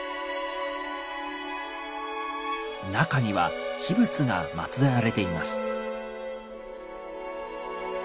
中には秘仏が祀られています。